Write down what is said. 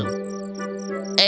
kau baik baik saja